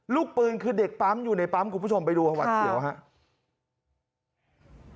ลูกปืนคือเด็กปั๊มอยู่ในปั๊มคุณผู้ชมไปดูหวัดเสียวครับ